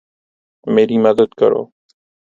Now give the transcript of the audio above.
میری مدد کرو